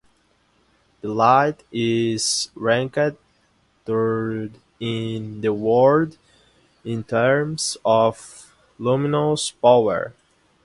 The light is ranked third in the world in terms of luminous power.